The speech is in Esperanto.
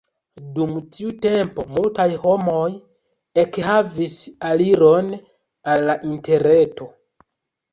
Dum tiu tempo multaj homoj ekhavis aliron al la interreto.